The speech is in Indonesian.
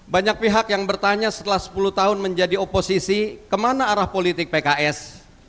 banyak pihak yang bertanya setelah sepuluh tahun menjadi oposisi kemana arah politik pks